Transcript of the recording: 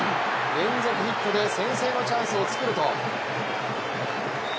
連続ヒットで先制のチャンスを作ると